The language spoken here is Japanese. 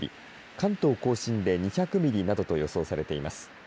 関東甲信で２００ミリなどと予想されています。